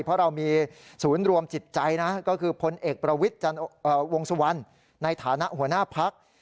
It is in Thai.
เพราะเรามีศูนย์รวมจิตใจนะก็คือพลเอกประวิทย์วงสุวรรณในฐานะหัวหน้าพัก